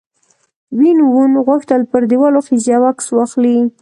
وین وون غوښتل پر دیوال وخیژي او عکس واخلي.